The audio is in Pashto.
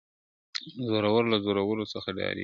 زورور له زورور څخه ډارېږي٫